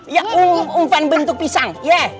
iya umpan bentuk pisang